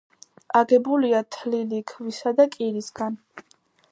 აგებულია თლილი ქვისა და კირისგან.